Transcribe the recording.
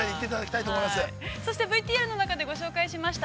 ◆ＶＴＲ中で紹介しました